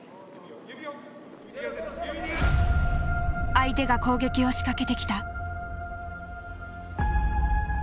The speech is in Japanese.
相手が攻撃を仕掛けてきた。